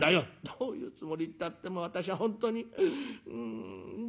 「どういうつもりったって私は本当にうんじれったい！」。